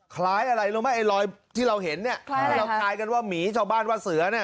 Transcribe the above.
คล้ายอะไรรู้ไหมไอ้รอยที่เราเห็นเนี่ยคล้ายเราคลายกันว่าหมีชาวบ้านว่าเสือเนี่ย